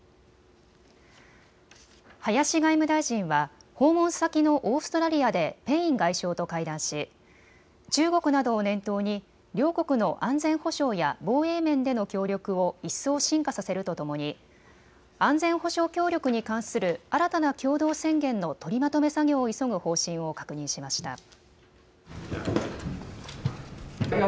林外務大臣は訪問先のオーストラリアでペイン外相と会談し、中国などを念頭に両国の安全保障や防衛面での協力を一層深化させるとともに安全保障協力に関する新たな共同宣言の取りまとめ作業を急ぐ方針を確認しました。